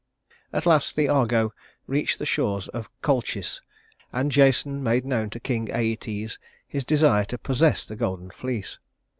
At last the Argo reached the shores of Colchis, and Jason made known to King Æetes his desire to possess the golden fleece.